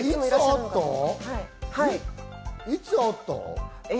いつ会った？